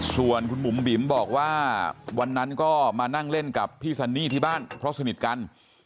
ส่วนคุณบุ๋มบิ๋มบอกว่าวันนั้นก็มานั่งเล่นกับพี่ซันนี่ที่บ้านเพราะสนิทกัน